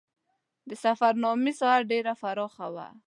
د سفرنامې ساحه ډېره پراخه وه.